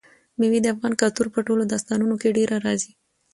مېوې د افغان کلتور په ټولو داستانونو کې ډېره راځي.